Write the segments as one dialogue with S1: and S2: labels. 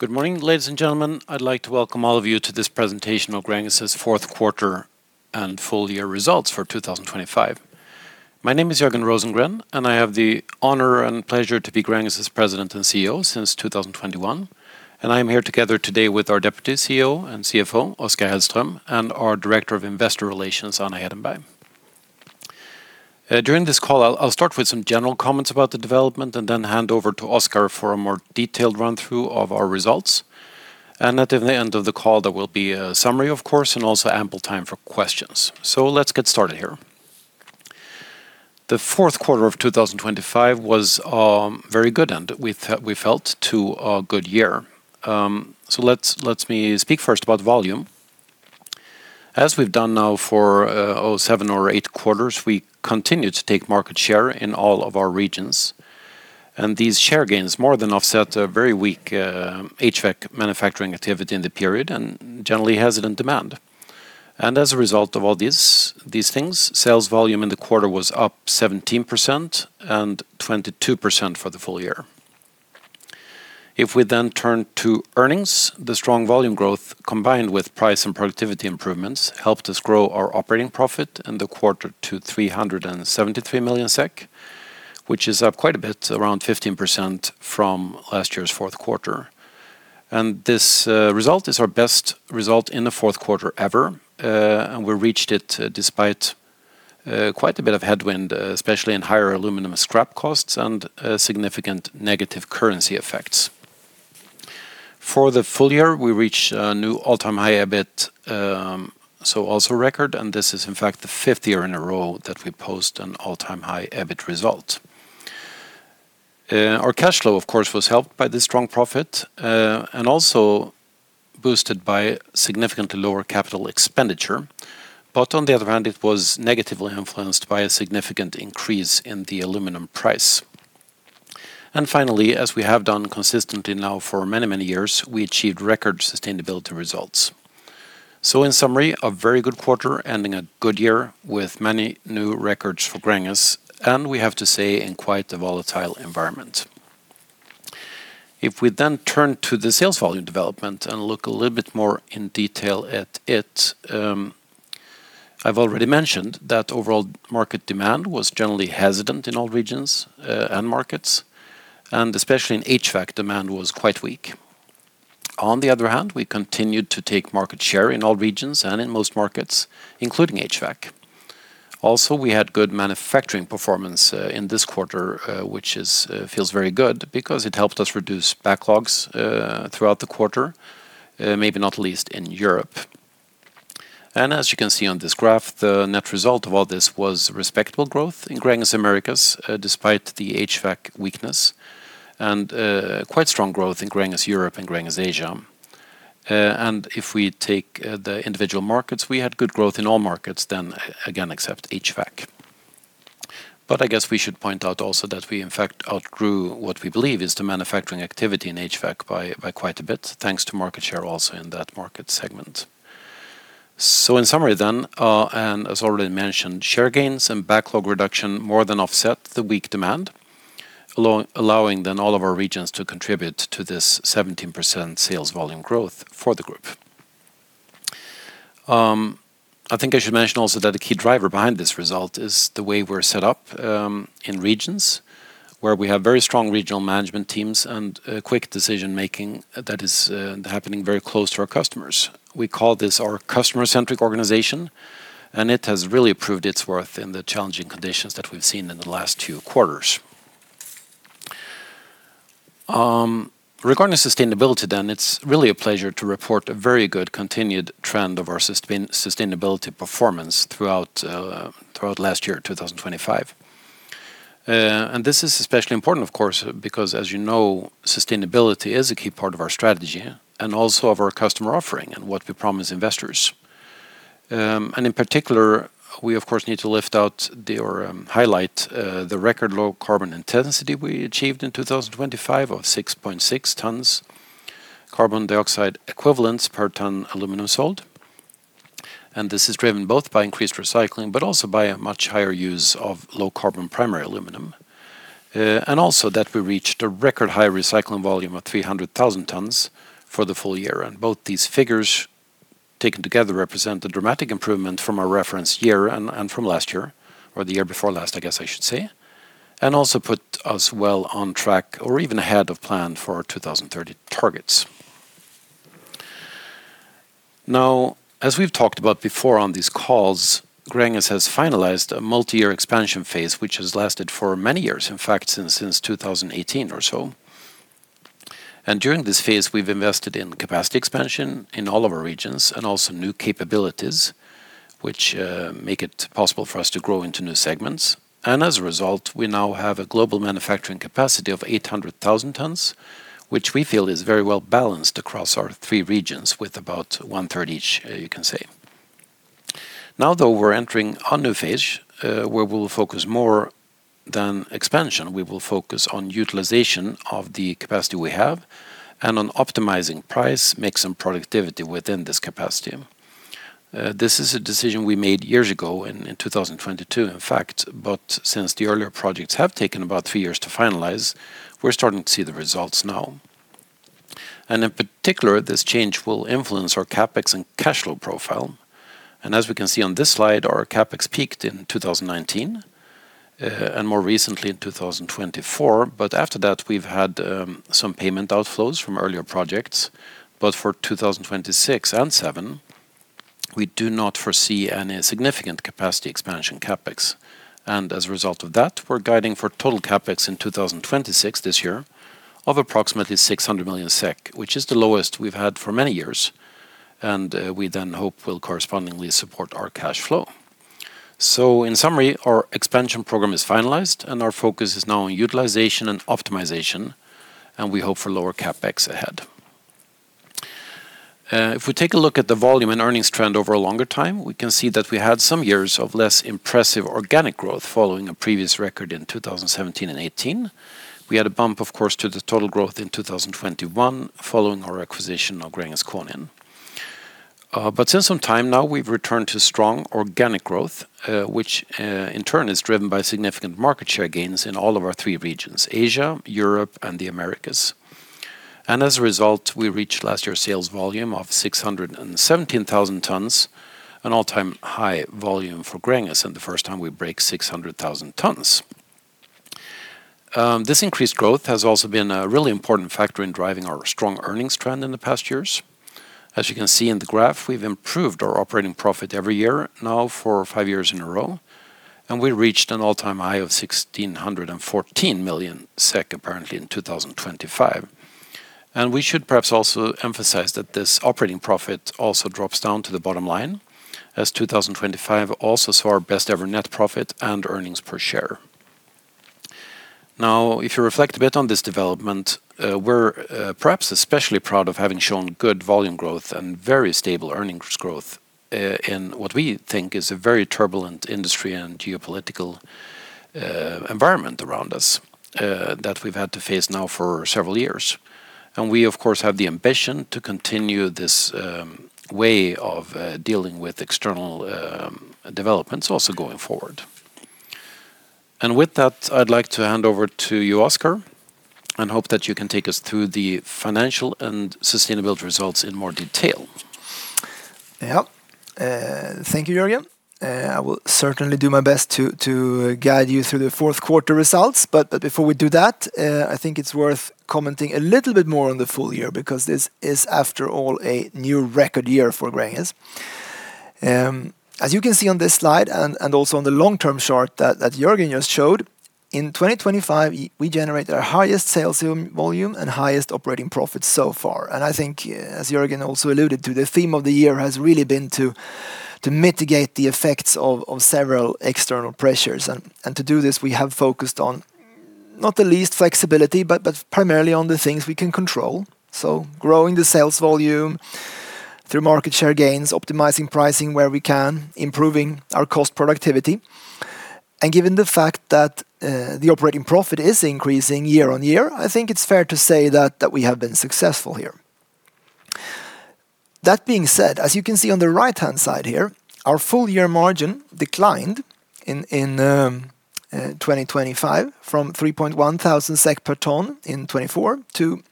S1: Good morning, ladies and gentlemen. I'd like to welcome all of you to this presentation of Gränges' fourth quarter and full year results for 2025. My name is Jörgen Rosengren, and I have the honor and pleasure to be Gränges' President and CEO since 2021, and I am here together today with our Deputy CEO and CFO, Oskar Hellström, and our Director of Investor Relations, Anna Edenberg. During this call, I'll start with some general comments about the development and then hand over to Oskar for a more detailed run-through of our results. At the end of the call, there will be a summary, of course, and also ample time for questions. Let's get started here. The fourth quarter of 2025 was very good, and we felt to a good year. So let me speak first about volume. As we've done now for seven or eight quarters, we continue to take market share in all of our regions, and these share gains more than offset a very weak HVAC manufacturing activity in the period and generally hesitant demand. And as a result of all these things, sales volume in the quarter was up 17% and 22% for the full year. If we then turn to earnings, the strong volume growth, combined with price and productivity improvements, helped us grow our operating profit in the quarter to 373 million SEK, which is up quite a bit, around 15% from last year's fourth quarter. This result is our best result in the fourth quarter ever, and we reached it despite quite a bit of headwind, especially in higher aluminum scrap costs and significant negative currency effects. For the full year, we reached a new all-time high EBIT, so also record, and this is, in fact, the fifth year in a row that we post an all-time high EBIT result. Our cash flow, of course, was helped by the strong profit, and also boosted by significantly lower capital expenditure. But on the other hand, it was negatively influenced by a significant increase in the aluminum price. And finally, as we have done consistently now for many, many years, we achieved record sustainability results. So in summary, a very good quarter, ending a good year with many new records for Gränges, and we have to say, in quite a volatile environment. If we then turn to the sales volume development and look a little bit more in detail at it, I've already mentioned that overall market demand was generally hesitant in all regions and markets, and especially in HVAC, demand was quite weak. On the other hand, we continued to take market share in all regions and in most markets, including HVAC. Also, we had good manufacturing performance in this quarter, which feels very good because it helped us reduce backlogs throughout the quarter, maybe not least in Europe. As you can see on this graph, the net result of all this was respectable growth in Gränges Americas, despite the HVAC weakness, and quite strong growth in Gränges Europe and Gränges Asia. If we take the individual markets, we had good growth in all markets, then again, except HVAC. But I guess we should point out also that we, in fact, outgrew what we believe is the manufacturing activity in HVAC by quite a bit, thanks to market share also in that market segment. In summary then, and as already mentioned, share gains and backlog reduction more than offset the weak demand, allowing then all of our regions to contribute to this 17% sales volume growth for the group. I think I should mention also that a key driver behind this result is the way we're set up in regions, where we have very strong regional management teams and quick decision-making that is happening very close to our customers. We call this our customer-centric organization, and it has really proved its worth in the challenging conditions that we've seen in the last two quarters. Regarding sustainability, it's really a pleasure to report a very good continued trend of our sustainability performance throughout last year, 2025. And this is especially important, of course, because, as you know, sustainability is a key part of our strategy and also of our customer offering and what we promise investors. And in particular, we, of course, need to highlight the record low carbon intensity we achieved in 2025 of 6.6 tons carbon dioxide equivalents per ton aluminum sold. And this is driven both by increased recycling, but also by a much higher use of low-carbon primary aluminum. And also that we reached a record high recycling volume of 300,000 tons for the full year, and both these figures, taken together, represent a dramatic improvement from our reference year and from last year, or the year before last, I guess I should say, and also put us well on track or even ahead of plan for our 2030 targets. Now, as we've talked about before on these calls, Gränges has finalized a multi-year expansion phase, which has lasted for many years, in fact, since 2018 or so. And during this phase, we've invested in capacity expansion in all of our regions and also new capabilities, which make it possible for us to grow into new segments. And as a result, we now have a global manufacturing capacity of 800,000 tons, which we feel is very well-balanced across our three regions, with about one-third each, you can say. Now, though, we're entering a new phase, where we will focus more than expansion. We will focus on utilization of the capacity we have and on optimizing price, mix, and productivity within this capacity. This is a decision we made years ago in 2022, in fact, but since the earlier projects have taken about three years to finalize, we're starting to see the results now. And in particular, this change will influence our CapEx and cash flow profile. And as we can see on this slide, our CapEx peaked in 2019, and more recently in 2024, but after that, we've had some payment outflows from earlier projects. But for 2026 and 2027, we do not foresee any significant capacity expansion CapEx. And as a result of that, we're guiding for total CapEx in 2026, this year, of approximately 600 million SEK, which is the lowest we've had for many years, and we then hope will correspondingly support our cash flow. So in summary, our expansion program is finalized, and our focus is now on utilization and optimization, and we hope for lower CapEx ahead. If we take a look at the volume and earnings trend over a longer time, we can see that we had some years of less impressive organic growth following a previous record in 2017 and 2018. We had a bump, of course, to the total growth in 2021, following our acquisition of Gränges Konin. But since some time now, we've returned to strong organic growth, which, in turn is driven by significant market share gains in all of our three regions: Asia, Europe, and the Americas. As a result, we reached last year's sales volume of 617,000 tons, an all-time high volume for Gränges, and the first time we break 600,000 tons. This increased growth has also been a really important factor in driving our strong earnings trend in the past years. As you can see in the graph, we've improved our operating profit every year now for five years in a row, and we reached an all-time high of 1,614 million SEK, apparently in 2025. We should perhaps also emphasize that this operating profit also drops down to the bottom line, as 2025 also saw our best-ever net profit and earnings per share. Now, if you reflect a bit on this development, we're perhaps especially proud of having shown good volume growth and very stable earnings growth, in what we think is a very turbulent industry and geopolitical environment around us, that we've had to face now for several years. We, of course, have the ambition to continue this way of dealing with external developments also going forward. With that, I'd like to hand over to you, Oskar, and hope that you can take us through the financial and sustainability results in more detail.
S2: Yeah. Thank you, Jörgen. I will certainly do my best to guide you through the fourth quarter results, but before we do that, I think it's worth commenting a little bit more on the full year, because this is, after all, a new record year for Gränges. As you can see on this slide and also on the long-term chart that Jörgen just showed, in 2025, we generated our highest sales volume and highest operating profit so far. And I think, as Jörgen also alluded to, the theme of the year has really been to mitigate the effects of several external pressures. And to do this, we have focused on, not the least, flexibility, but primarily on the things we can control. So growing the sales volume through market share gains, optimizing pricing where we can, improving our cost productivity. Given the fact that the operating profit is increasing year-on-year, I think it's fair to say that we have been successful here. That being said, as you can see on the right-hand side here, our full year margin declined in 2025 from 3,100 SEK per ton in 2024 to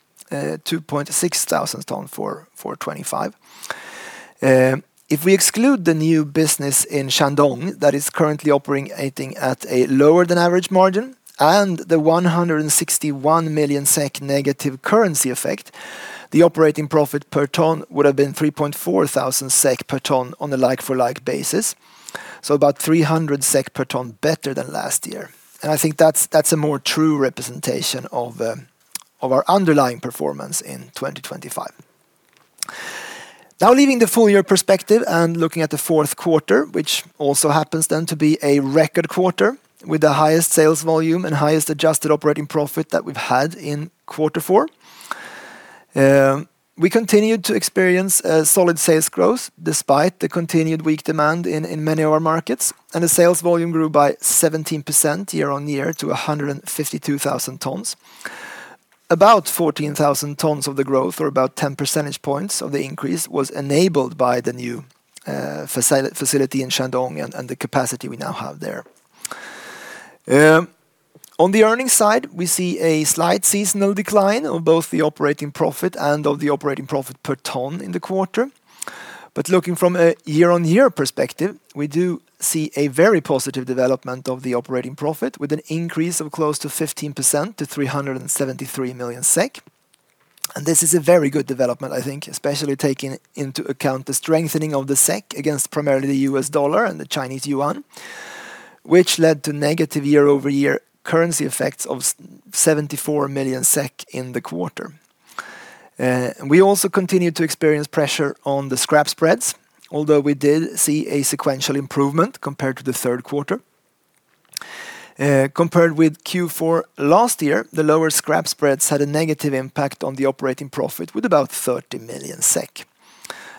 S2: 2,600 ton for 2025. If we exclude the new business in Shandong that is currently operating at a lower-than-average margin and the 161 million SEK negative currency effect, the operating profit per ton would have been 3,400 SEK per ton on a like-for-like basis, so about 300 SEK per ton better than last year. And I think that's, that's a more true representation of our underlying performance in 2025. Now, leaving the full year perspective and looking at the fourth quarter, which also happens then to be a record quarter, with the highest sales volume and highest adjusted operating profit that we've had in quarter four. We continued to experience a solid sales growth despite the continued weak demand in many of our markets, and the sales volume grew by 17% year-on-year to 152,000 tons. About 14,000 tons of the growth, or about 10 percentage points of the increase, was enabled by the new facility in Shandong and the capacity we now have there. On the earnings side, we see a slight seasonal decline of both the operating profit and of the operating profit per ton in the quarter. But looking from a year-on-year perspective, we do see a very positive development of the operating profit, with an increase of close to 15% to 373 million SEK. And this is a very good development, I think, especially taking into account the strengthening of the SEK against primarily the U.S. dollar and the Chinese yuan, which led to negative year-over-year currency effects of 74 million SEK in the quarter. And we also continued to experience pressure on the scrap spreads, although we did see a sequential improvement compared to the third quarter. Compared with Q4 last year, the lower scrap spreads had a negative impact on the operating profit with about 30 million SEK.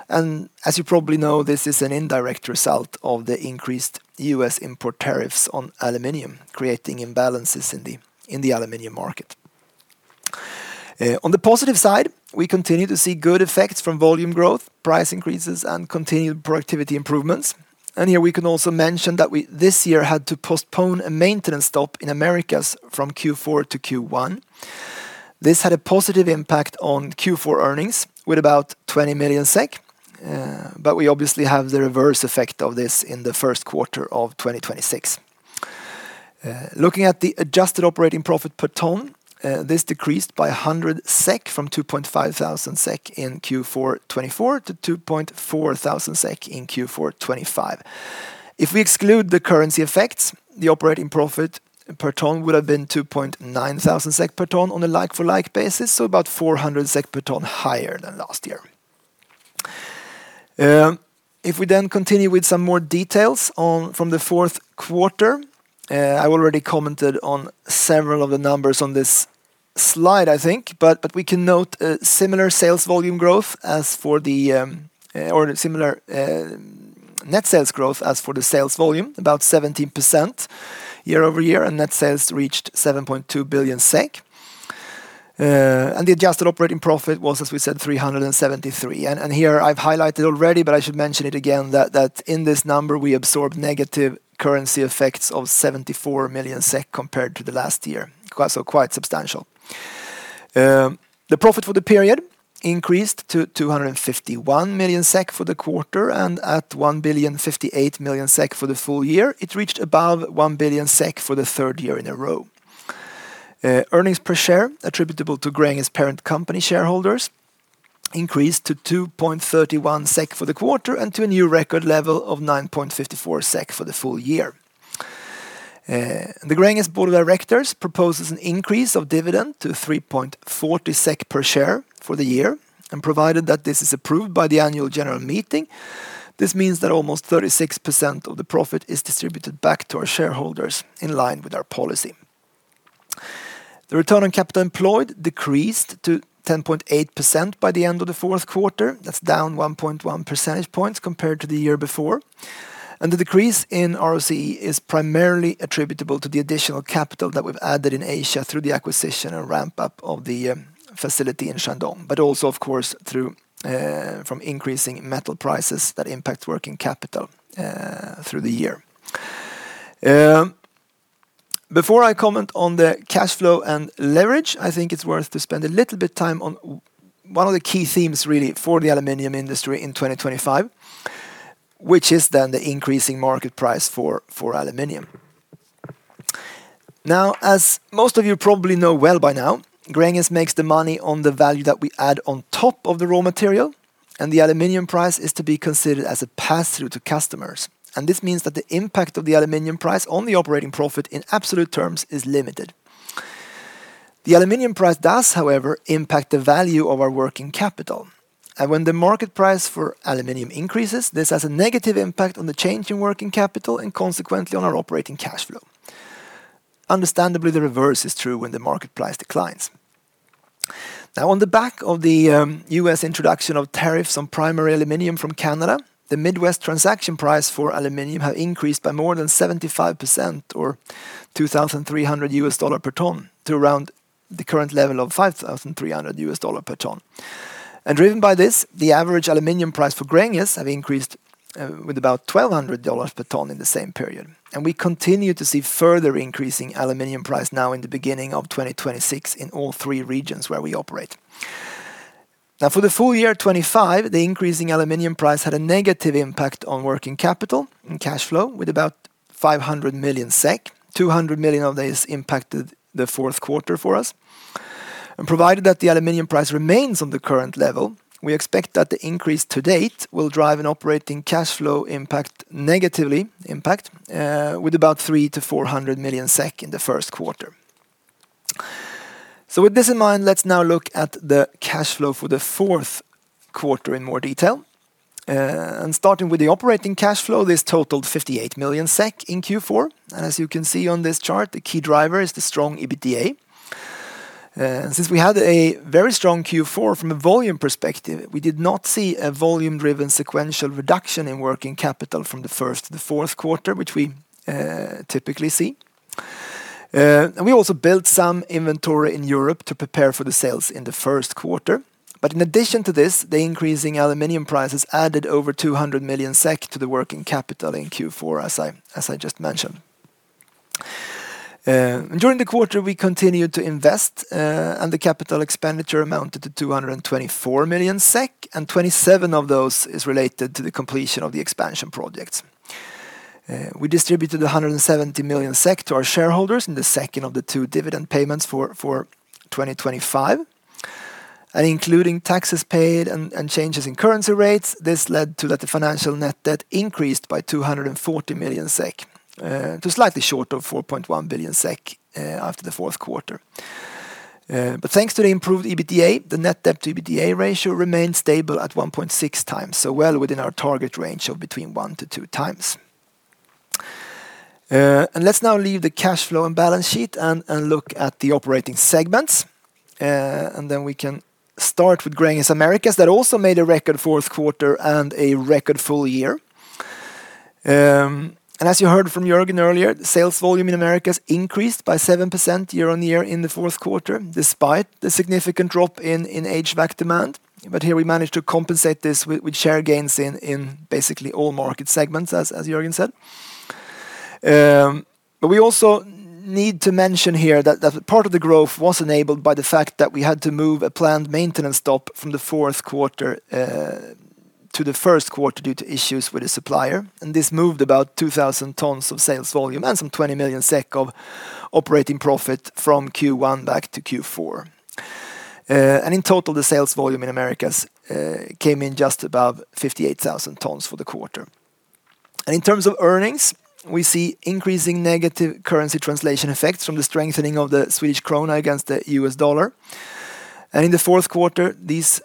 S2: As you probably know, this is an indirect result of the increased U.S. import tariffs on aluminum, creating imbalances in the aluminum market. On the positive side, we continue to see good effects from volume growth, price increases, and continued productivity improvements. Here we can also mention that we, this year, had to postpone a maintenance stop in Americas from Q4 to Q1. This had a positive impact on Q4 earnings with about 20 million SEK, but we obviously have the reverse effect of this in the first quarter of 2026. Looking at the adjusted operating profit per ton, this decreased by 100 SEK, from 2,500 SEK in Q4 2024 to SEK 2,400 in Q4 2025. If we exclude the currency effects, the operating profit per ton would have been 2,900 SEK per ton on a like-for-like basis, so about 400 SEK per ton higher than last year. If we then continue with some more details on, from the fourth quarter, I already commented on several of the numbers on this slide, I think, but we can note, or similar net sales growth as for the sales volume, about 17% year-over-year, and net sales reached 7.2 billion SEK. And the adjusted operating profit was, as we said, 373 million. Here I've highlighted already, but I should mention it again, that in this number, we absorbed negative currency effects of 74 million SEK compared to the last year, so quite substantial. The profit for the period increased to 251 million SEK for the quarter, and at 1.058 billion for the full year, it reached above 1 billion SEK for the third year in a row. Earnings per share attributable to Gränges parent company shareholders increased to 2.31 SEK for the quarter and to a new record level of 9.54 SEK for the full year. The Gränges Board of Directors proposes an increase of dividend to 3.40 SEK per share for the year, and provided that this is approved by the annual general meeting, this means that almost 36% of the profit is distributed back to our shareholders in line with our policy. The return on capital employed decreased to 10.8% by the end of the fourth quarter. That's down 1.1 percentage points compared to the year before. And the decrease in ROCE is primarily attributable to the additional capital that we've added in Asia through the acquisition and ramp-up of the facility in Shandong, but also, of course, through, from increasing metal prices that impact working capital through the year. Before I comment on the cash flow and leverage, I think it's worth to spend a little bit time on one of the key themes, really, for the aluminum industry in 2025, which is then the increasing market price for aluminum. Now, as most of you probably know well by now, Gränges makes the money on the value that we add on top of the raw material, and the aluminum price is to be considered as a pass-through to customers. This means that the impact of the aluminum price on the operating profit in absolute terms is limited. The aluminum price does, however, impact the value of our working capital, and when the market price for aluminum increases, this has a negative impact on the change in working capital and consequently on our operating cash flow. Understandably, the reverse is true when the market price declines. Now, on the back of the U.S. introduction of tariffs on primary aluminum from Canada, the Midwest Transaction Price for aluminum has increased by more than 75% or $2,300 per ton to around the current level of $5,300 per ton. And driven by this, the average aluminum price for Gränges has increased with about $1,200 per ton in the same period, and we continue to see further increasing aluminum price now in the beginning of 2026 in all three regions where we operate. Now, for the full year 2025, the increasing aluminum price had a negative impact on working capital and cash flow, with about 500 million SEK, 200 million of this impacted the fourth quarter for us. Provided that the aluminum price remains on the current level, we expect that the increase to date will drive an operating cash flow impact, negatively impact, with about 300 million-400 million SEK in the first quarter. So with this in mind, let's now look at the cash flow for the fourth quarter in more detail. And starting with the operating cash flow, this totaled 58 million SEK in Q4. As you can see on this chart, the key driver is the strong EBITDA. Since we had a very strong Q4 from a volume perspective, we did not see a volume-driven sequential reduction in working capital from the first to the fourth quarter, which we typically see. And we also built some inventory in Europe to prepare for the sales in the first quarter. But in addition to this, the increasing aluminum prices added over 200 million SEK to the working capital in Q4, as I just mentioned. And during the quarter, we continued to invest, and the capital expenditure amounted to 224 million SEK, and 27 million of those is related to the completion of the expansion projects. We distributed 170 million SEK to our shareholders in the second of the two dividend payments for 2025. And including taxes paid and changes in currency rates, this led to that the financial net debt increased by 240 million SEK to slightly short of 4.1 billion SEK after the fourth quarter. But thanks to the improved EBITDA, the net debt to EBITDA ratio remains stable at 1.6 times, so well within our target range of between 1x-2x. Let's now leave the cash flow and balance sheet and look at the operating segments. Then we can start with Gränges Americas, that also made a record fourth quarter and a record full year. As you heard from Jörgen earlier, the sales volume in Americas increased by 7% year-on-year in the fourth quarter, despite the significant drop in HVAC demand. But here, we managed to compensate this with share gains in basically all market segments, as Jörgen said. But we also need to mention here that that part of the growth was enabled by the fact that we had to move a planned maintenance stop from the fourth quarter to the first quarter due to issues with the supplier, and this moved about 2,000 tons of sales volume and some 20 million SEK of operating profit from Q1 back to Q4. In total, the sales volume in Americas came in just above 58,000 tons for the quarter. In terms of earnings, we see increasing negative currency translation effects from the strengthening of the Swedish krona against the U.S. dollar. In the fourth quarter, these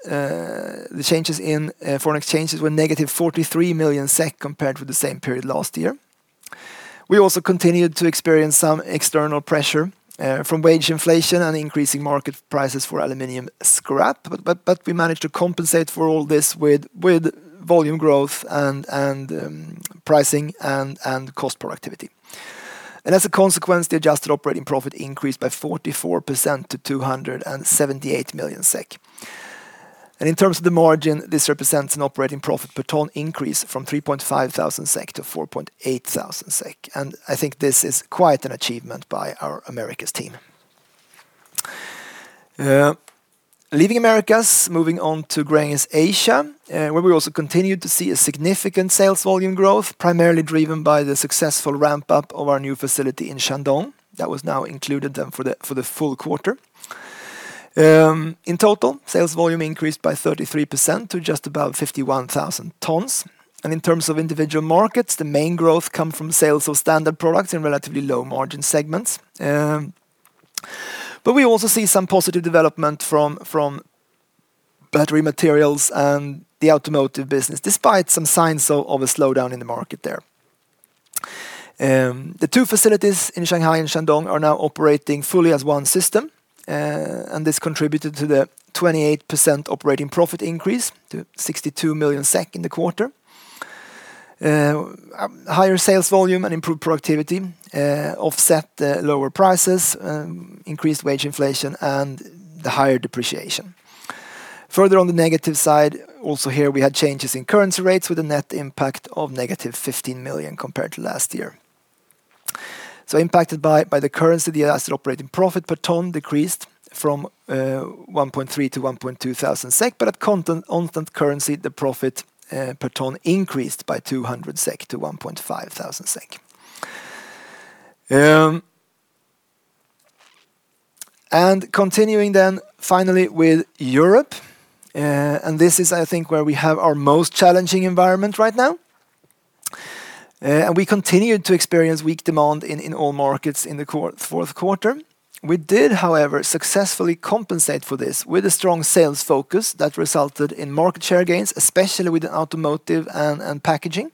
S2: changes in foreign exchanges were -43 million SEK compared with the same period last year. We also continued to experience some external pressure from wage inflation and increasing market prices for aluminum scrap, but we managed to compensate for all this with volume growth and pricing and cost productivity. As a consequence, the adjusted operating profit increased by 44% to 278 million SEK. In terms of the margin, this represents an operating profit per ton increase from 3,500 SEK to 4,800 SEK, and I think this is quite an achievement by our Americas team. Leaving Americas, moving on to Gränges Asia, where we also continued to see a significant sales volume growth, primarily driven by the successful ramp-up of our new facility in Shandong. That was now included then for the full quarter. In total, sales volume increased by 33% to just about 51,000 tons. In terms of individual markets, the main growth come from sales of standard products in relatively low-margin segments. But we also see some positive development from battery materials and the automotive business, despite some signs of a slowdown in the market there. The two facilities in Shanghai and Shandong are now operating fully as one system, and this contributed to the 28% operating profit increase, to 62 million SEK in the quarter. Higher sales volume and improved productivity offset the lower prices, increased wage inflation, and the higher depreciation. Further on the negative side, also here, we had changes in currency rates with a net impact of -15 million compared to last year. So impacted by the currency, the adjusted operating profit per ton decreased from 1,300-1,200 SEK, but at constant currency, the profit per ton increased by 200 SEK to 1,500 SEK. And continuing then finally with Europe, and this is, I think, where we have our most challenging environment right now. And we continued to experience weak demand in all markets in the fourth quarter. We did, however, successfully compensate for this with a strong sales focus that resulted in market share gains, especially with the automotive and packaging.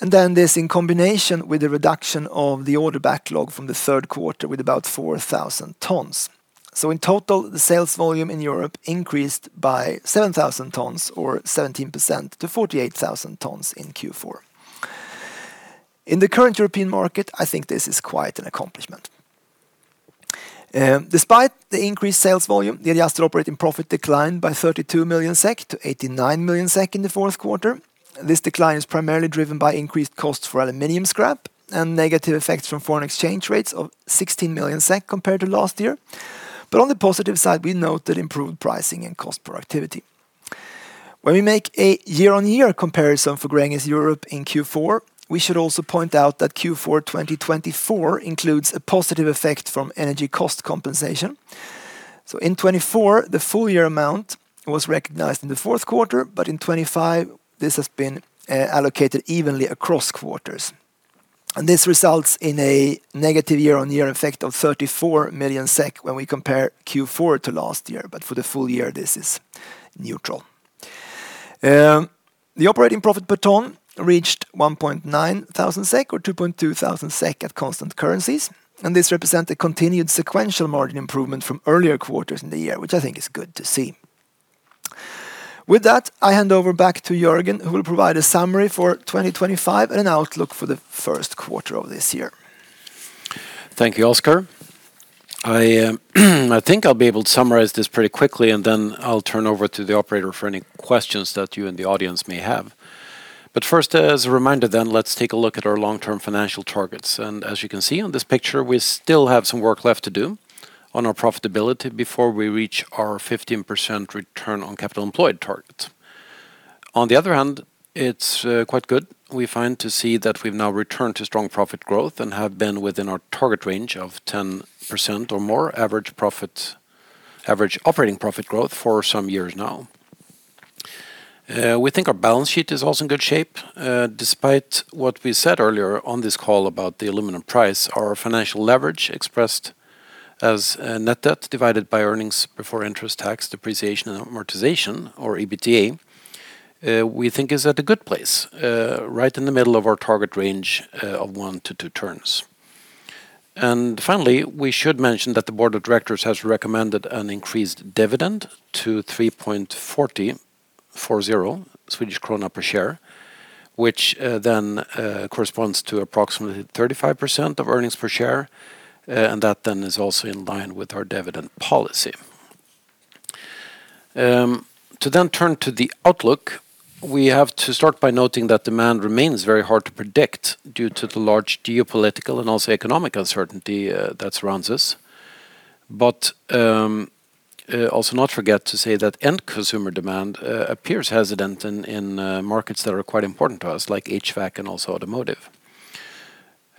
S2: And then this, in combination with the reduction of the order backlog from the third quarter, with about 4,000 tons. So in total, the sales volume in Europe increased by 7,000 tons, or 17%, to 48,000 tons in Q4. In the current European market, I think this is quite an accomplishment. Despite the increased sales volume, the adjusted operating profit declined by 32 million SEK to 89 million SEK in the fourth quarter. This decline is primarily driven by increased costs for aluminum scrap and negative effects from foreign exchange rates of 16 million SEK compared to last year. But on the positive side, we noted improved pricing and cost productivity. When we make a year-on-year comparison for Gränges Europe in Q4, we should also point out that Q4 2024 includes a positive effect from energy cost compensation. So in 2024, the full year amount was recognized in the fourth quarter, but in 2025, this has been allocated evenly across quarters. This results in a negative year-on-year effect of 34 million SEK when we compare Q4 to last year, but for the full year, this is neutral. The operating profit per ton reached 1,900 SEK or 2,200 SEK at constant currencies, and this represent a continued sequential margin improvement from earlier quarters in the year, which I think is good to see. With that, I hand over back to Jörgen, who will provide a summary for 2025 and an outlook for the first quarter of this year.
S1: Thank you, Oskar. I think I'll be able to summarize this pretty quickly, and then I'll turn over to the operator for any questions that you and the audience may have. But first, as a reminder, then let's take a look at our long-term financial targets. And as you can see on this picture, we still have some work left to do on our profitability before we reach our 15% return on capital employed target. On the other hand, it's quite good, we find to see that we've now returned to strong profit growth and have been within our target range of 10% or more average operating profit growth for some years now. We think our balance sheet is also in good shape. Despite what we said earlier on this call about the aluminum price, our financial leverage expressed as net debt divided by earnings before interest tax, depreciation, and amortization, or EBITDA, we think is at a good place, right in the middle of our target range of 1-2 turns. And finally, we should mention that the board of directors has recommended an increased dividend to 3.40 Swedish krona per share, which then corresponds to approximately 35% of earnings per share. And that then is also in line with our dividend policy. To then turn to the outlook, we have to start by noting that demand remains very hard to predict due to the large geopolitical and also economic uncertainty that surrounds us. But, also not forget to say that end consumer demand appears hesitant in, in, markets that are quite important to us, like HVAC and also automotive.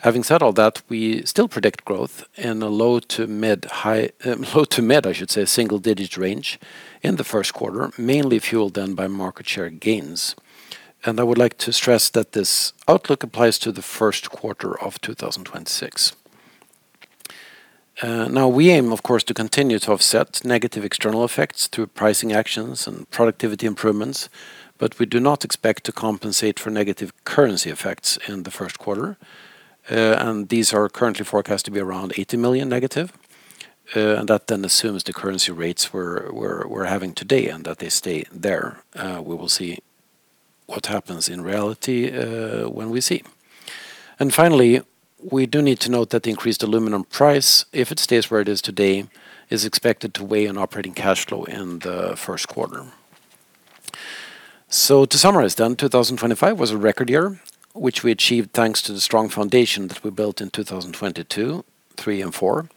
S1: Having said all that, we still predict growth in a low to mid-high, low to mid, I should say, single-digit range in the first quarter, mainly fueled down by market share gains. And I would like to stress that this outlook applies to the first quarter of 2026. Now, we aim, of course, to continue to offset negative external effects through pricing actions and productivity improvements, but we do not expect to compensate for negative currency effects in the first quarter. And these are currently forecast to be around 80 million negative. And that then assumes the currency rates we're having today, and that they stay there. We will see what happens in reality, when we see. And finally, we do need to note that the increased aluminum price, if it stays where it is today, is expected to weigh on operating cash flow in the first quarter. So to summarize, then, 2025 was a record year, which we achieved thanks to the strong foundation that we built in 2022, 2023, and 2024.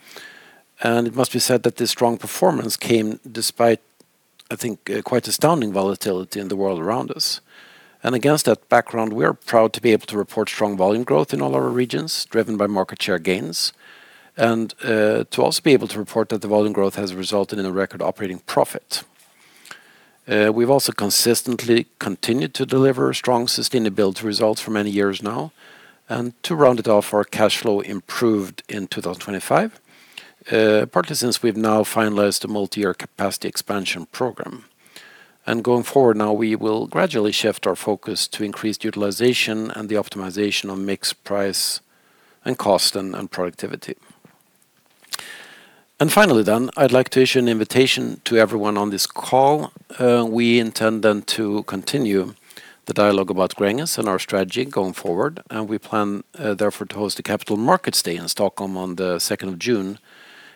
S1: And it must be said that this strong performance came despite, I think, quite astounding volatility in the world around us. And against that background, we are proud to be able to report strong volume growth in all our regions, driven by market share gains, and, to also be able to report that the volume growth has resulted in a record operating profit. We've also consistently continued to deliver strong sustainability results for many years now. To round it off, our cash flow improved in 2025, partly since we've now finalized a multi-year capacity expansion program. Going forward now, we will gradually shift our focus to increased utilization and the optimization of mix, price, and cost, and productivity. Finally, then, I'd like to issue an invitation to everyone on this call. We intend then to continue the dialogue about Gränges and our strategy going forward, and we plan, therefore, to host a Capital Markets Day in Stockholm on the 2nd of June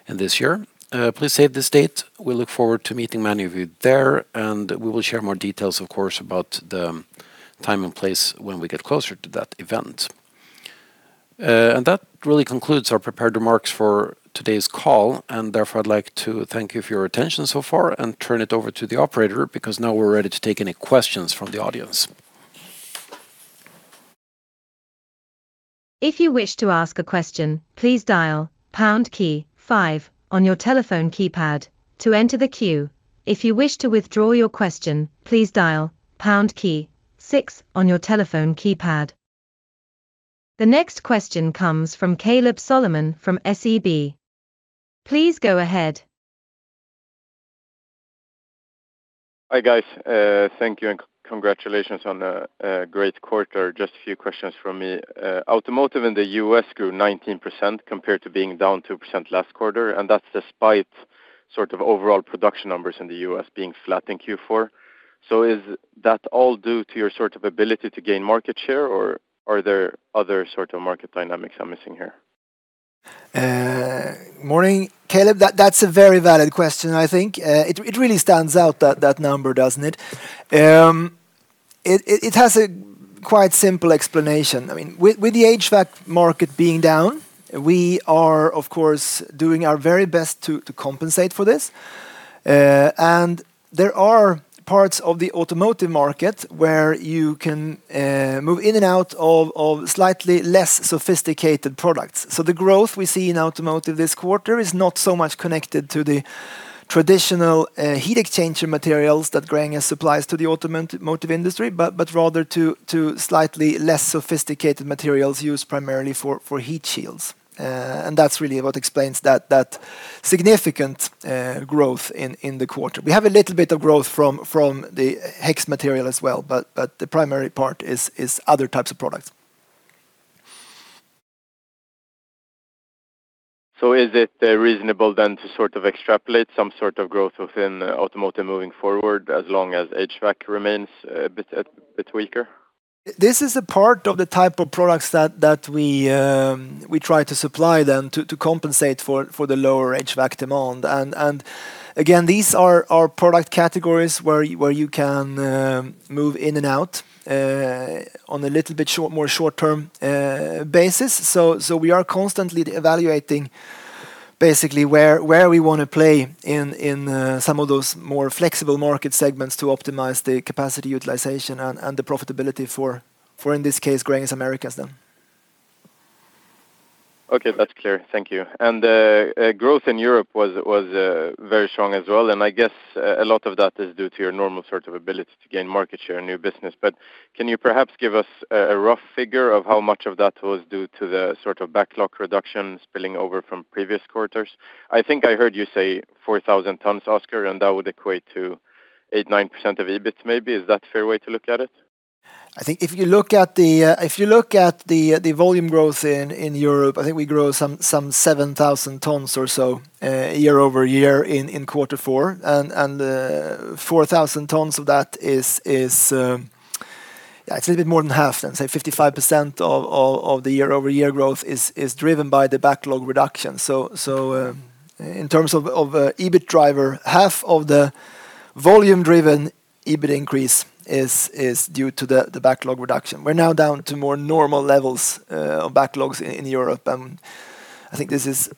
S1: this year. Please save the date. We look forward to meeting many of you there, and we will share more details, of course, about the time and place when we get closer to that event. That really concludes our prepared remarks for today's call, and therefore, I'd like to thank you for your attention so far and turn it over to the operator, because now we're ready to take any questions from the audience.
S3: If you wish to ask a question, please dial pound key five on your telephone keypad to enter the queue. If you wish to withdraw your question, please dial pound key six on your telephone keypad. The next question comes from Kaleb Solomon from SEB. Please go ahead.
S4: Hi, guys. Thank you, and congratulations on a great quarter. Just a few questions from me. Automotive in the U.S. grew 19%, compared to being down 2% last quarter, and that's despite sort of overall production numbers in the U.S. being flat in Q4. So is that all due to your sort of ability to gain market share, or are there other sort of market dynamics I'm missing here?
S2: Morning, Kaleb. That's a very valid question, I think. It really stands out, that number, doesn't it? It has a quite simple explanation. I mean, with the HVAC market being down, we are, of course, doing our very best to compensate for this. And there are parts of the automotive market where you can move in and out of slightly less sophisticated products. So the growth we see in automotive this quarter is not so much connected to the traditional heat exchanger materials that Gränges supplies to the automotive industry, but rather to slightly less sophisticated materials used primarily for heat shields. And that's really what explains that significant growth in the quarter. We have a little bit of growth from the HEX material as well, but the primary part is other types of products.
S4: Is it reasonable then to sort of extrapolate some sort of growth within automotive moving forward, as long as HVAC remains a bit weaker?
S2: This is a part of the type of products that we try to supply then to compensate for the lower HVAC demand. And again, these are our product categories where you can move in and out on a little bit short, more short-term basis. So we are constantly evaluating basically where we wanna play in some of those more flexible market segments to optimize the capacity utilization and the profitability for, in this case, Gränges Americas then.
S4: Okay, that's clear. Thank you. And growth in Europe was very strong as well, and I guess a lot of that is due to your normal sort of ability to gain market share and new business. But can you perhaps give us a rough figure of how much of that was due to the sort of backlog reduction spilling over from previous quarters? I think I heard you say 4,000 tons, Oskar, and that would equate to 8%-9% of EBIT maybe. Is that a fair way to look at it?
S2: I think if you look at the volume growth in Europe, I think we grew some 7,000 tons or so year-over-year in quarter four. And four thousand tons of that is a little bit more than half. Let's say 55% of the year-over-year growth is driven by the backlog reduction. So in terms of EBIT driver, half of the volume-driven EBIT increase is due to the backlog reduction. We're now down to more normal levels of backlogs in Europe, and I think this is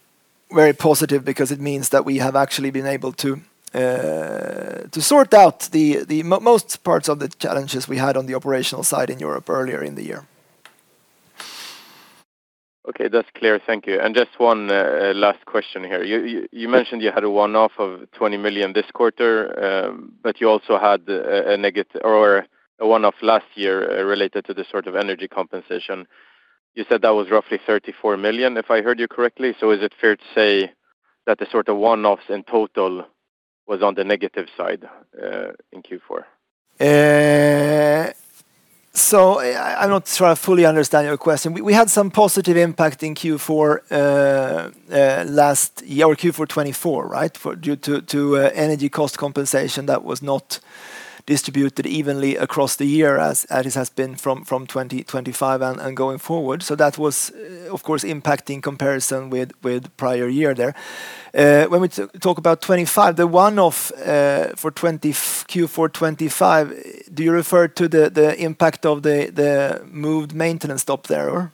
S2: very positive because it means that we have actually been able to sort out the most parts of the challenges we had on the operational side in Europe earlier in the year.
S4: Okay, that's clear. Thank you. And just one last question here. You mentioned you had a one-off of 20 million this quarter, but you also had a negative or a one-off last year related to the sort of energy compensation. You said that was roughly 34 million, if I heard you correctly. So is it fair to say that the sort of one-offs in total was on the negative side in Q4?
S2: So I'm not sure I fully understand your question. We had some positive impact in Q4 last year, or Q4 2024, right? Due to energy cost compensation that was not distributed evenly across the year, as it has been from 2025 and going forward. So that was, of course, impacting comparison with prior year there. When we talk about 2025, the one-off for Q4 2025, do you refer to the impact of the moved maintenance stop there or?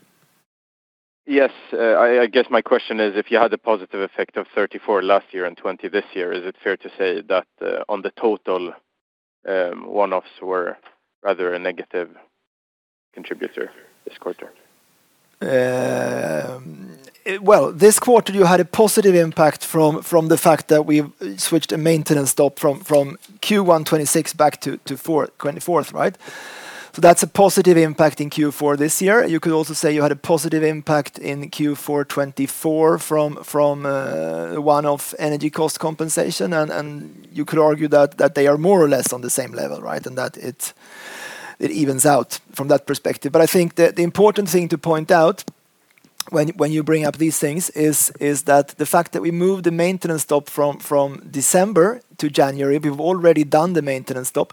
S4: Yes. I guess my question is, if you had a positive effect of 34 last year and 20 this year, is it fair to say that, on the total, one-offs were rather a negative contributor this quarter?
S2: Well, this quarter you had a positive impact from the fact that we've switched a maintenance stop from Q1 2026 back to Q4 2024, right? So that's a positive impact in Q4 this year. You could also say you had a positive impact in Q4 2024 from one-off energy cost compensation, and you could argue that they are more or less on the same level, right? And that it evens out from that perspective. But I think the important thing to point out when you bring up these things is that the fact that we moved the maintenance stop from December to January, we've already done the maintenance stop,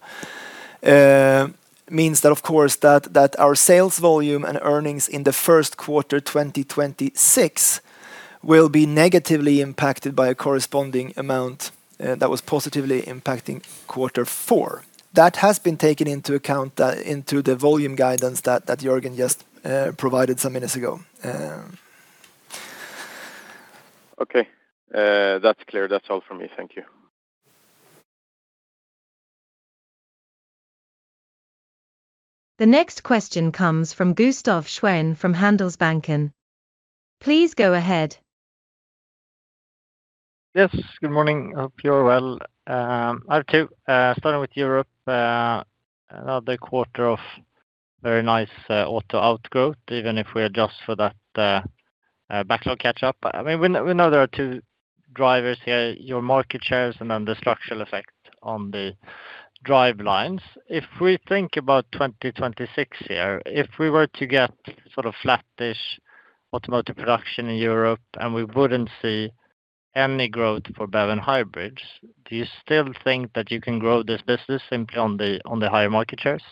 S2: means that, of course, that our sales volume and earnings in the first quarter 2026 will be negatively impacted by a corresponding amount that was positively impacting quarter four. That has been taken into account into the volume guidance that Jörgen just provided some minutes ago.
S4: Okay. That's clear. That's all from me. Thank you.
S3: The next question comes from Gustaf Schwerin from Handelsbanken. Please go ahead.
S5: Yes, good morning. Hope you are well. I have two, starting with Europe, another quarter of very nice, output growth, even if we adjust for that, backlog catch up. I mean, we know, we know there are two drivers here, your market shares, and then the structural effect on the drivelines. If we think about 2026 here, if we were to get sort of flattish automotive production in Europe, and we wouldn't see any growth for BEV and hybrids, do you still think that you can grow this business simply on the, on the higher market shares?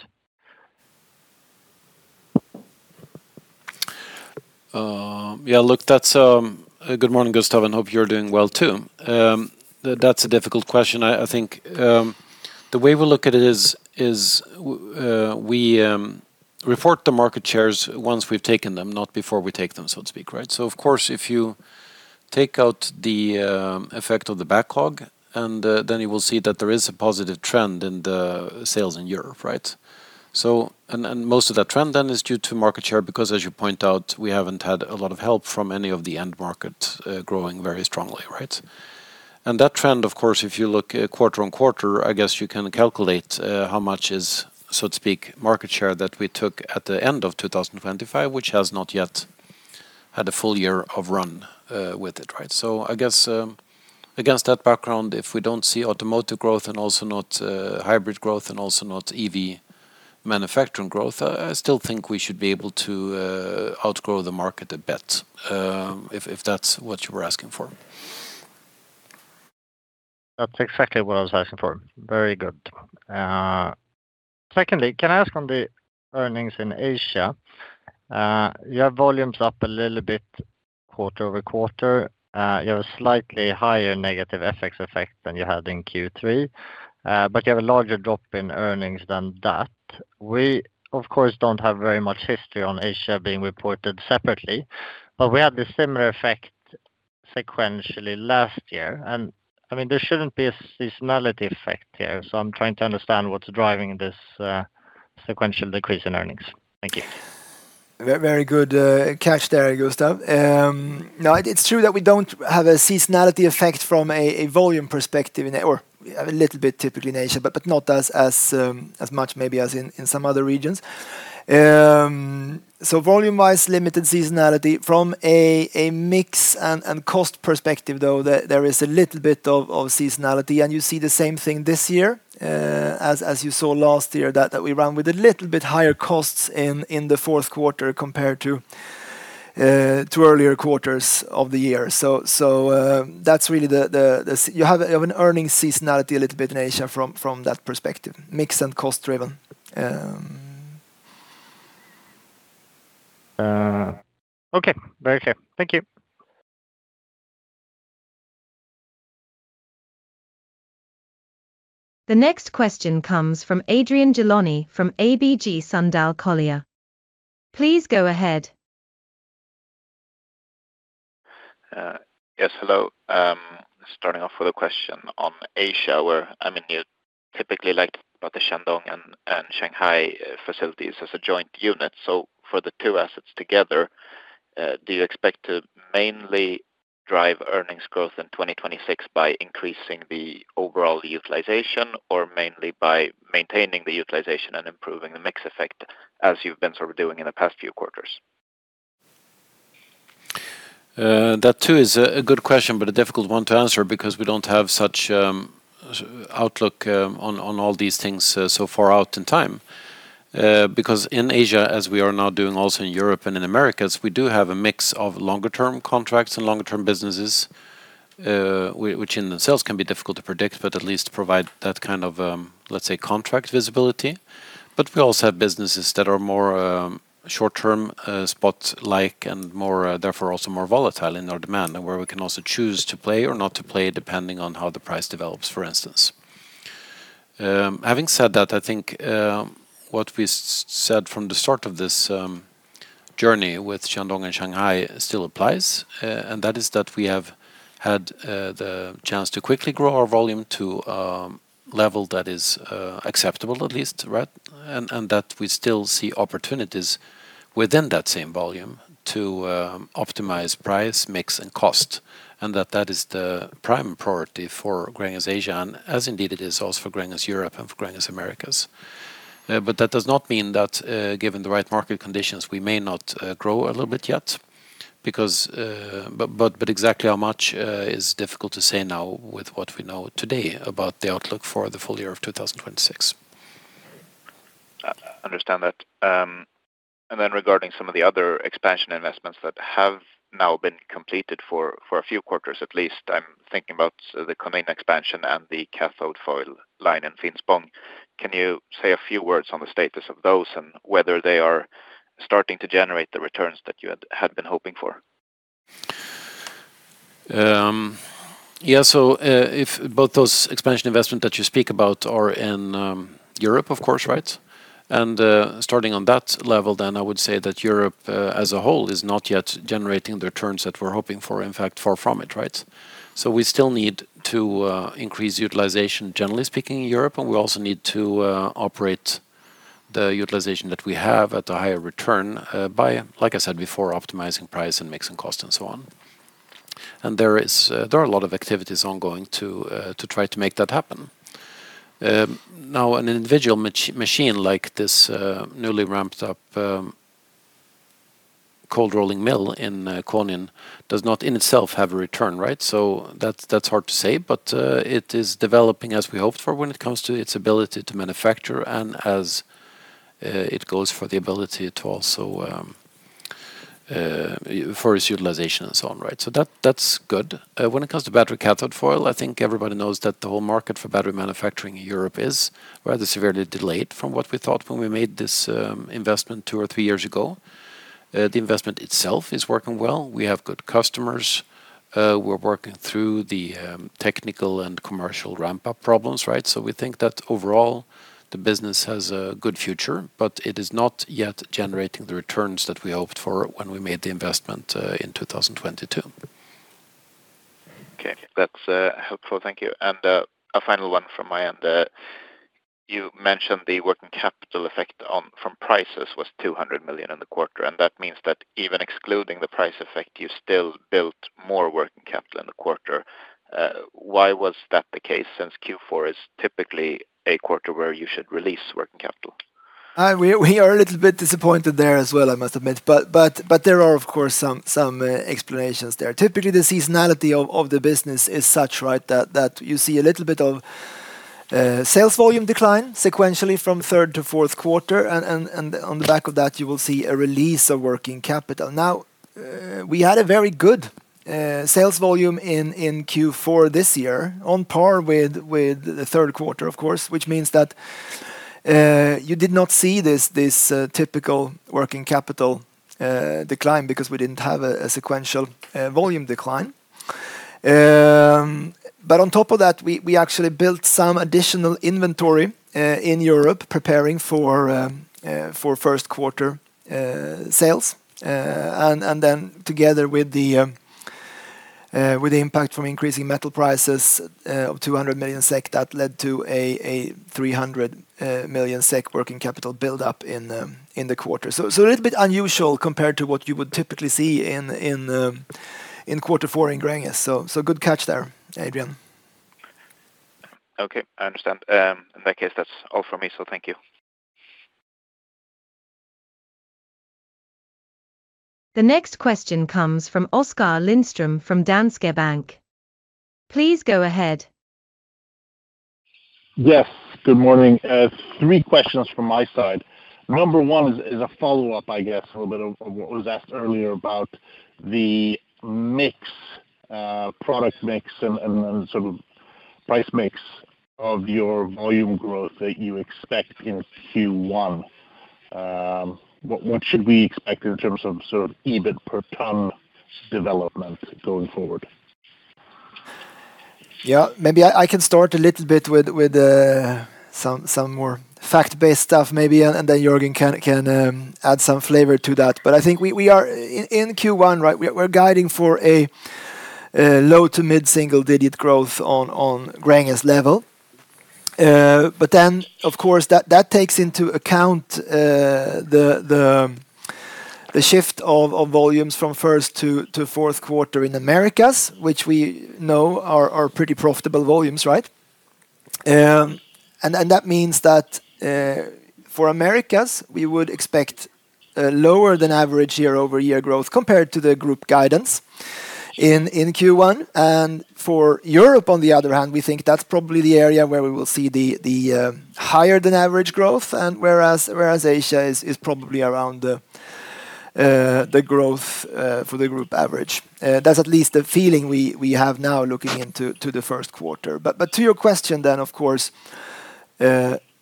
S1: Yeah, look, that's... Good morning, Gustaf, and hope you're doing well, too. That's a difficult question. I think, the way we look at it is, we report the market shares once we've taken them, not before we take them, so to speak. Right? So of course, if you take out the effect of the backlog and, then you will see that there is a positive trend in the sales in Europe, right? So and, and most of that trend then is due to market share, because as you point out, we haven't had a lot of help from any of the end market growing very strongly, right? That trend, of course, if you look at quarter-over-quarter, I guess you can calculate how much is, so to speak, market share that we took at the end of 2025, which has not yet had a full year of run with it, right? So I guess, against that background, if we don't see automotive growth and also not hybrid growth and also not EV manufacturing growth, I still think we should be able to outgrow the market a bit, if that's what you were asking for.
S5: That's exactly what I was asking for. Very good. Secondly, can I ask on the earnings in Asia? You have volumes up a little bit quarter-over-quarter. You have a slightly higher negative FX effect than you had in Q3, but you have a larger drop in earnings than that. We, of course, don't have very much history on Asia being reported separately, but we had a similar effect sequentially last year. And I mean, there shouldn't be a seasonality effect here, so I'm trying to understand what's driving this, sequential decrease in earnings. Thank you.
S2: Very good, catch there, Gustaf. No, it's true that we don't have a seasonality effect from a volume perspective in there, or a little bit typically in Asia, but not as much maybe as in some other regions. So volume-wise, limited seasonality from a mix and cost perspective, though, there is a little bit of seasonality, and you see the same thing this year, as you saw last year, that we ran with a little bit higher cost in the fourth quarter compared to earlier quarters of the year. So, that's really the seasonality you have, an earnings seasonality a little bit in Asia from that perspective, mix and cost driven.
S5: Okay. Very clear. Thank you.
S3: The next question comes from Adrian Gilani from ABG Sundal Collier. Please go ahead.
S6: Yes, hello. Starting off with a question on Asia, where, I mean, you typically like about the Shandong and Shanghai facilities as a joint unit. So for the two assets together, do you expect to mainly drive earnings growth in 2026 by increasing the overall utilization, or mainly by maintaining the utilization and improving the mix effect, as you've been sort of doing in the past few quarters?
S1: That too is a good question, but a difficult one to answer because we don't have such outlook on all these things so far out in time. Because in Asia, as we are now doing also in Europe and in Americas, we do have a mix of longer-term contracts and longer-term businesses, which in themselves can be difficult to predict, but at least provide that kind of, let's say, contract visibility. But we also have businesses that are more short-term, spot-like and more, therefore, also more volatile in their demand, and where we can also choose to play or not to play, depending on how the price develops, for instance. Having said that, I think what we said from the start of this journey with Shandong and Shanghai still applies, and that is that we have had the chance to quickly grow our volume to level that is acceptable at least, right? And that we still see opportunities within that same volume to optimize price, mix, and cost, and that that is the prime priority for Gränges Asia, and as indeed it is also for Gränges Europe and for Gränges Americas. But that does not mean that given the right market conditions, we may not grow a little bit yet because... But exactly how much is difficult to say now with what we know today about the outlook for the full year of 2026.
S6: I understand that. And then regarding some of the other expansion investments that have now been completed for a few quarters, at least, I'm thinking about the Konin expansion and the cathode foil line in Finspång. Can you say a few words on the status of those, and whether they are starting to generate the returns that you had been hoping for?
S1: Yeah. So, if both those expansion investment that you speak about are in, Europe, of course, right? And, starting on that level, then I would say that Europe, as a whole, is not yet generating the returns that we're hoping for. In fact, far from it, right? So we still need to, increase utilization, generally speaking, in Europe, and we also need to, operate the utilization that we have at a higher return, by, like I said before, optimizing price, and mixing cost, and so on. And there is, there are a lot of activities ongoing to, to try to make that happen. Now, an individual machine like this, newly ramped-up, cold rolling mill in, Konin, does not in itself have a return, right? So that's, that's hard to say. But, it is developing as we hoped for when it comes to its ability to manufacture and as it goes for the ability to also for its utilization and so on, right? So that, that's good. When it comes to battery cathode foil, I think everybody knows that the whole market for battery manufacturing in Europe is rather severely delayed from what we thought when we made this investment two or three years ago. The investment itself is working well. We have good customers. We're working through the technical and commercial ramp-up problems, right? So we think that overall, the business has a good future, but it is not yet generating the returns that we hoped for when we made the investment in 2022.
S6: Okay. That's helpful. Thank you. And a final one from my end. You mentioned the working capital effect on, from prices was 200 million in the quarter, and that means that even excluding the price effect, you still built more working capital in the quarter. Why was that the case, since Q4 is typically a quarter where you should release working capital?
S2: We are a little bit disappointed there as well, I must admit. But there are, of course, some explanations there. Typically, the seasonality of the business is such, right, that you see a little bit of sales volume decline sequentially from third to fourth quarter, and on the back of that, you will see a release of working capital. Now, we had a very good sales volume in Q4 this year, on par with the third quarter, of course, which means that you did not see this typical working capital decline because we didn't have a sequential volume decline. But on top of that, we actually built some additional inventory in Europe, preparing for first quarter sales. And then together with the impact from increasing metal prices of 200 million SEK, that led to a 300 million SEK working capital buildup in the quarter. So a little bit unusual compared to what you would typically see in quarter four in Gränges. So good catch there, Adrian.
S6: Okay, I understand. In that case, that's all from me, so thank you.
S3: The next question comes from Oskar Lindström from Danske Bank. Please go ahead.
S7: Yes, good morning. Three questions from my side. Number one is a follow-up, I guess, a little bit of what was asked earlier about the mix, product mix and sort of price mix of your volume growth that you expect in Q1. What should we expect in terms of sort of EBIT per ton development going forward?
S2: Yeah, maybe I can start a little bit with some more fact-based stuff maybe, and then Jörgen can add some flavor to that. But I think we are in Q1, right, we're guiding for a low to mid-single-digit growth on Gränges level. But then, of course, that takes into account the shift of volumes from first to fourth quarter in Americas, which we know are pretty profitable volumes, right? And then that means that for Americas, we would expect lower than average year-over-year growth compared to the group guidance in Q1. For Europe, on the other hand, we think that's probably the area where we will see the higher than average growth, and whereas Asia is probably around the growth for the group average. That's at least the feeling we have now looking into to the first quarter. But to your question then, of course,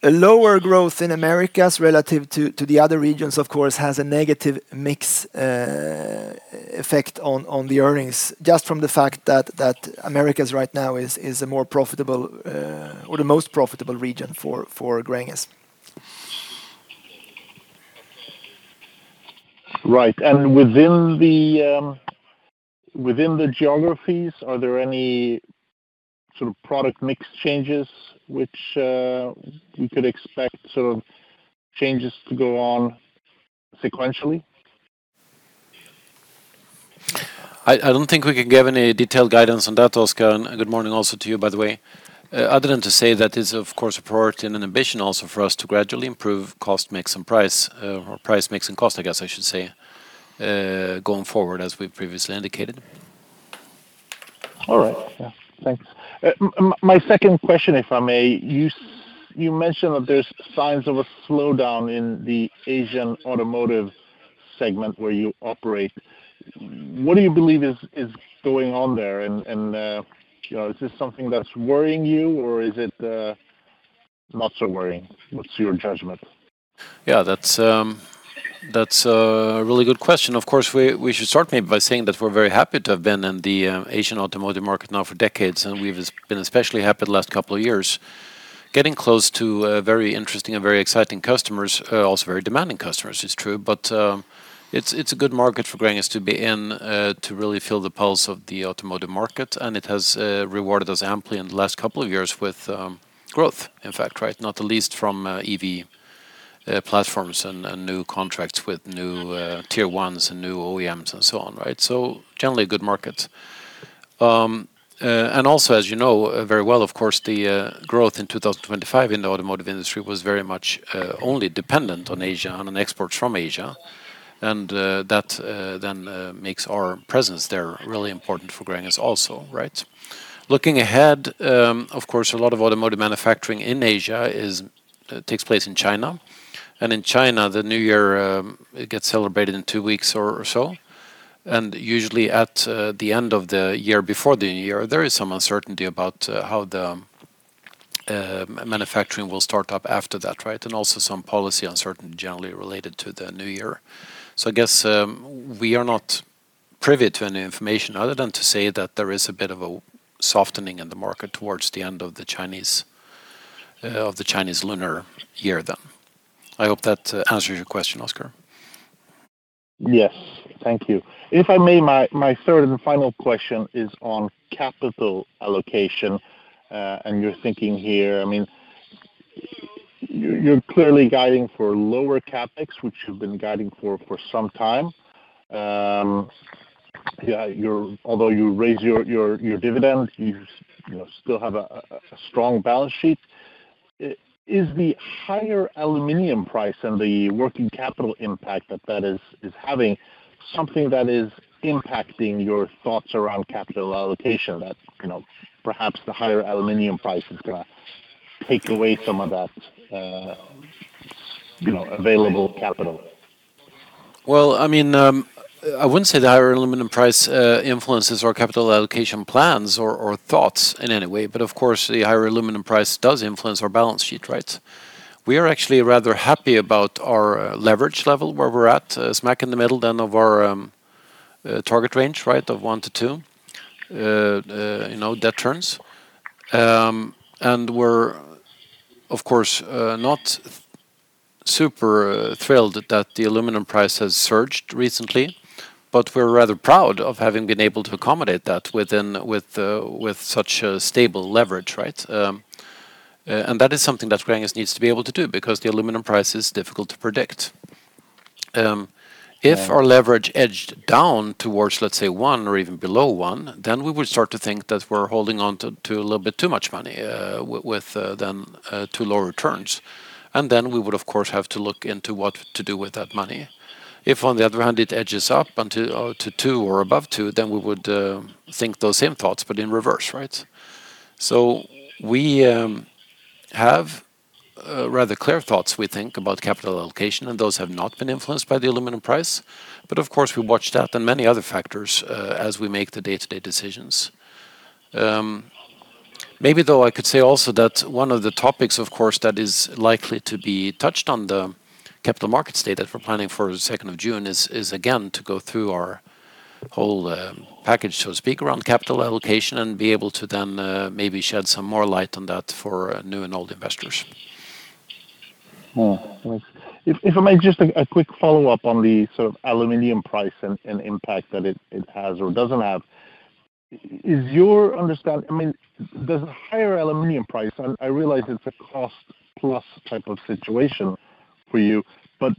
S2: a lower growth in Americas relative to the other regions, of course, has a negative mix effect on the earnings, just from the fact that Americas right now is a more profitable or the most profitable region for Gränges.
S7: Right. And within the geographies, are there any sort of product mix changes which we could expect sort of changes to go on sequentially?
S1: I don't think we can give any detailed guidance on that, Oskar, and good morning also to you, by the way. Other than to say that is, of course, a priority and an ambition also for us to gradually improve cost mix and price, or price, mix, and cost, I guess, I should say, going forward, as we previously indicated.
S7: All right. Yeah, thanks. My second question, if I may, you mentioned that there's signs of a slowdown in the Asian automotive segment where you operate. What do you believe is going on there? And, you know, is this something that's worrying you, or is it not so worrying? What's your judgment?
S1: Yeah, that's, that's a really good question. Of course, we, we should start maybe by saying that we're very happy to have been in the Asian automotive market now for decades, and we've been especially happy the last couple of years, getting close to very interesting and very exciting customers, also very demanding customers, it's true. But, it's, it's a good market for Gränges to be in, to really feel the pulse of the automotive market, and it has rewarded us amply in the last couple of years with growth, in fact, right? Not the least from EV platforms and new contracts with new tier ones and new OEMs and so on, right? So generally, a good market. And also, as you know very well, of course, the growth in 2025 in the automotive industry was very much only dependent on Asia, on exports from Asia, and that then makes our presence there really important for Gränges also, right? Looking ahead, of course, a lot of automotive manufacturing in Asia takes place in China. And in China, the New Year it gets celebrated in two weeks or so. And usually at the end of the year, before the New Year, there is some uncertainty about how the manufacturing will start up after that, right? And also some policy uncertainty generally related to the New Year. I guess, we are not privy to any information, other than to say that there is a bit of a softening in the market towards the end of the Chinese Lunar Year then. I hope that answers your question, Oskar.
S7: Yes. Thank you. If I may, my third and final question is on capital allocation, and your thinking here. I mean, you're clearly guiding for lower CapEx, which you've been guiding for some time. Yeah, you're, although you raise your dividend, you know, still have a strong balance sheet. Is the higher aluminum price and the working capital impact that is having something that is impacting your thoughts around capital allocation, that, you know, perhaps the higher aluminum price is gonna take away some of that, you know, available capital?
S1: Well, I mean, I wouldn't say the higher aluminum price influences our capital allocation plans or thoughts in any way, but of course, the higher aluminum price does influence our balance sheet, right? We are actually rather happy about our leverage level, where we're at, smack in the middle then of our target range, right, of 1-2, you know, debt turns. And we're, of course, not super thrilled that the aluminum price has surged recently, but we're rather proud of having been able to accommodate that within, with, with such a stable leverage, right? And that is something that Gränges needs to be able to do, because the aluminum price is difficult to predict. If our leverage edged down towards, let's say, one or even below one, then we would start to think that we're holding on to a little bit too much money with too low returns. Then we would, of course, have to look into what to do with that money. If, on the other hand, it edges up to two or above two, then we would think those same thoughts, but in reverse, right? So we have rather clear thoughts, we think, about capital allocation, and those have not been influenced by the aluminum price. But of course, we watch that and many other factors as we make the day-to-day decisions. Maybe though I could say also that one of the topics, of course, that is likely to be touched on the Capital Markets Day that we're planning for the 2nd of June is again to go through our whole package, so to speak, around capital allocation, and be able to then maybe shed some more light on that for new and old investors.
S7: Mm-hmm. If I make just a quick follow-up on the sort of aluminum price and impact that it has or doesn't have, is your understanding... I mean, does a higher aluminum price, and I realize it's a cost-plus type of situation for you, but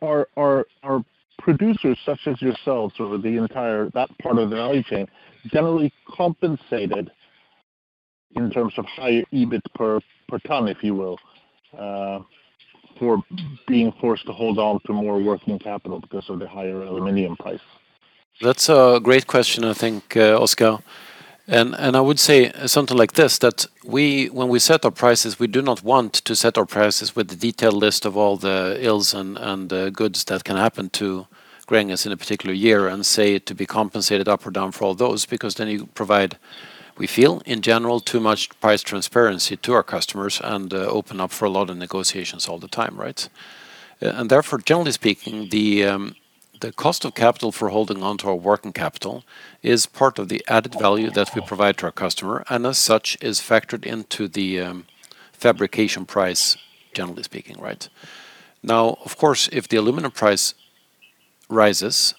S7: are producers such as yourself, sort of the entire, that part of the value chain, generally compensated in terms of higher EBIT per ton, if you will, for being forced to hold on to more working capital because of the higher aluminum price?
S1: That's a great question, I think, Oskar. And I would say something like this, that we, when we set our prices, we do not want to set our prices with the detailed list of all the ills and goods that can happen to Gränges in a particular year and say, to be compensated up or down for all those, because then you provide, we feel, in general, too much price transparency to our customers, and open up for a lot of negotiations all the time, right? And therefore, generally speaking, the cost of capital for holding on to our working capital is part of the added value that we provide to our customer, and as such, is factored into the fabrication price, generally speaking, right? Now, of course, if the aluminum price rises,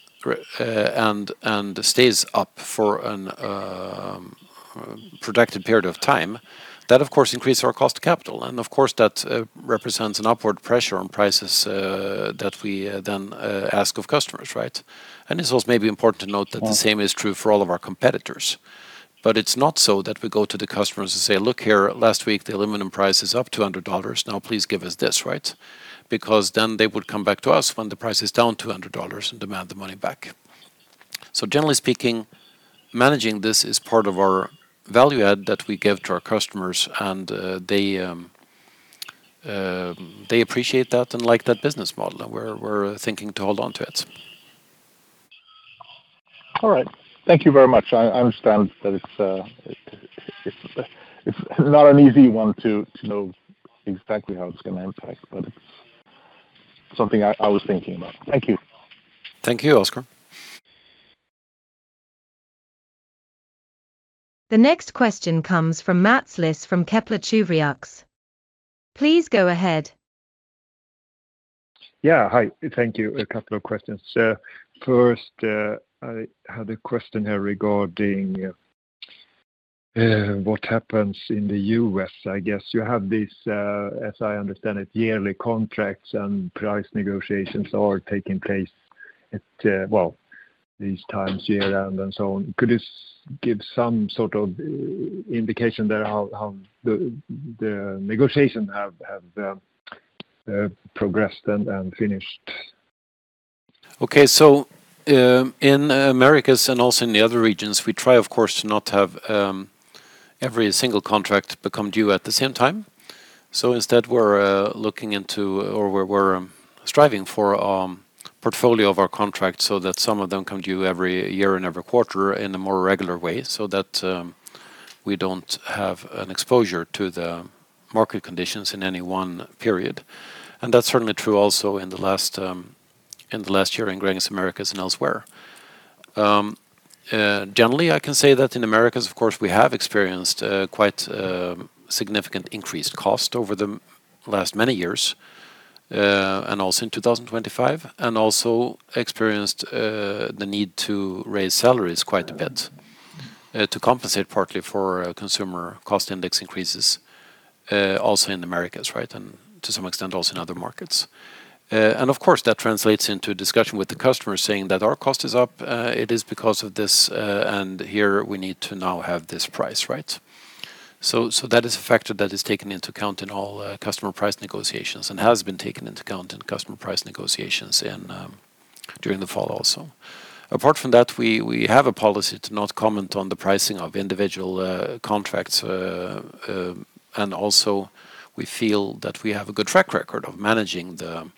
S1: and stays up for a protected period of time, that, of course, increases our cost of capital. And of course, that represents an upward pressure on prices that we then ask of customers, right? And it's also maybe important to note that the same is true for all of our competitors. But it's not so that we go to the customers and say, "Look here, last week, the aluminum price is up $200. Now, please give us this," right? Because then they would come back to us when the price is down $200 and demand the money back. So generally speaking, managing this is part of our value add that we give to our customers, and they appreciate that and like that business model, and we're thinking to hold on to it.
S7: All right. Thank you very much. I understand that it's not an easy one to know exactly how it's gonna impact, but it's something I was thinking about. Thank you.
S1: Thank you, Oskar.
S3: The next question comes from Mats Liss from Kepler Cheuvreux. Please go ahead.
S8: Yeah, hi. Thank you. A couple of questions. First, I had a question here regarding what happens in the U.S. I guess you have this, as I understand it, yearly contracts and price negotiations are taking place at, well, these times year end and so on. Could you give some sort of indication there how the negotiation have progressed and finished?
S1: Okay, so, in Americas and also in the other regions, we try, of course, to not have every single contract become due at the same time. So instead, we're striving for portfolio of our contract so that some of them come due every year and every quarter in a more regular way, so that we don't have an exposure to the market conditions in any one period. And that's certainly true also in the last year in Gränges Americas and elsewhere. Generally, I can say that in Americas, of course, we have experienced quite significant increased cost over the last many years, and also in 2025, and also experienced the need to raise salaries quite a bit to compensate partly for Consumer Price Index increases, also in Americas, right? And to some extent, also in other markets. And of course, that translates into a discussion with the customer saying that our cost is up, it is because of this, and here we need to now have this price, right? So, so that is a factor that is taken into account in all customer price negotiations, and has been taken into account in customer price negotiations during the fall also. Apart from that, we have a policy to not comment on the pricing of individual contracts, and also, we feel that we have a good track record of managing the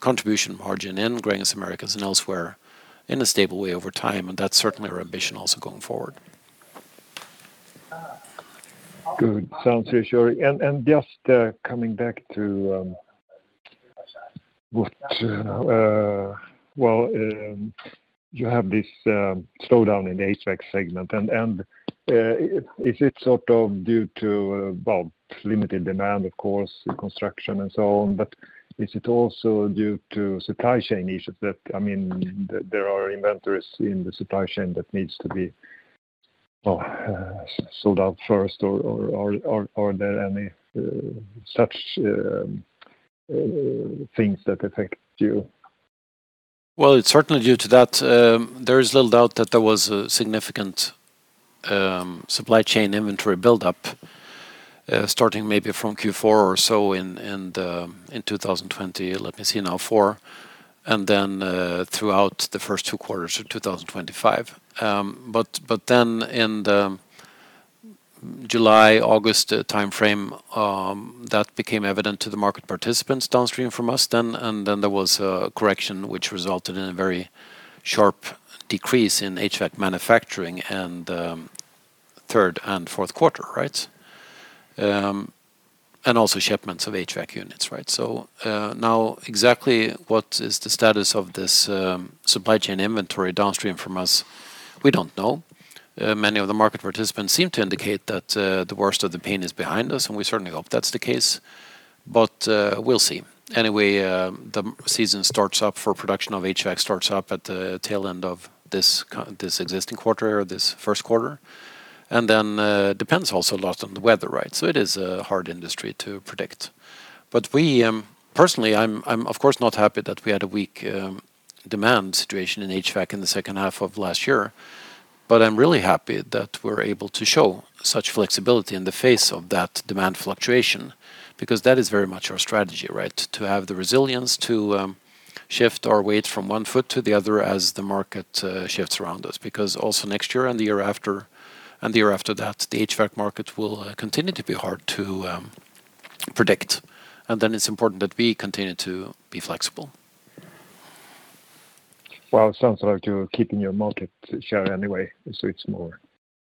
S1: contribution margin in Gränges Americas and elsewhere in a stable way over time, and that's certainly our ambition also going forward.
S8: Good. Sounds reassuring. And just coming back to what... Well, you have this slowdown in the HVAC segment, and is it sort of due to, well, limited demand, of course, construction and so on, but is it also due to supply chain issues that, I mean, there are inventories in the supply chain that needs to be sold out first or are there any such things that affect you?
S1: Well, it's certainly due to that. There is little doubt that there was a significant supply chain inventory buildup starting maybe from Q4 or so in 2024, and then throughout the first two quarters of 2025. But then in the July, August timeframe, that became evident to the market participants downstream from us, and then there was a correction which resulted in a very sharp decrease in HVAC manufacturing and third and fourth quarter, right? And also shipments of HVAC units, right? So, now, exactly what is the status of this supply chain inventory downstream from us? We don't know. Many of the market participants seem to indicate that the worst of the pain is behind us, and we certainly hope that's the case, but we'll see. Anyway, the season starts up for production of HVAC, starts up at the tail end of this existing quarter or this first quarter. And then depends also a lot on the weather, right? So it is a hard industry to predict. But we... Personally, I'm of course not happy that we had a weak demand situation in HVAC in the second half of last year. But I'm really happy that we're able to show such flexibility in the face of that demand fluctuation, because that is very much our strategy, right? To have the resilience to shift our weight from one foot to the other as the market shifts around us. Because also next year and the year after, and the year after that, the HVAC market will continue to be hard to predict, and then it's important that we continue to be flexible.
S8: Well, it sounds like you're keeping your market share anyway, so it's more,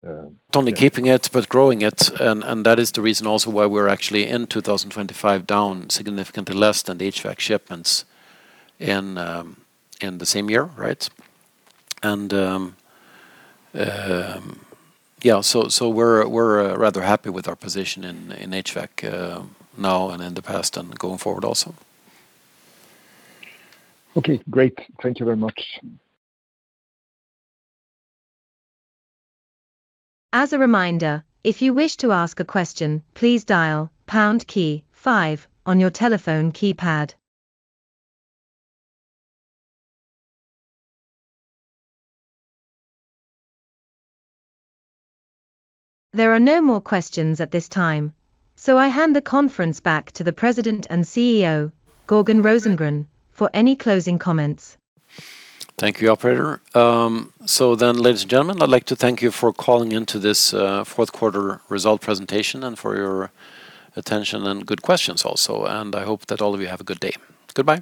S1: Not only keeping it, but growing it, and that is the reason also why we're actually in 2025, down significantly less than the HVAC shipments in the same year, right? And, yeah, we're rather happy with our position in HVAC, now and in the past and going forward also.
S8: Okay, great. Thank you very much.
S3: As a reminder, if you wish to ask a question, please dial pound key five on your telephone keypad. There are no more questions at this time, so I hand the conference back to the President and CEO, Jörgen Rosengren, for any closing comments.
S1: Thank you, operator. So then, ladies and gentlemen, I'd like to thank you for calling in to this, fourth quarter result presentation and for your attention and good questions also, and I hope that all of you have a good day. Goodbye.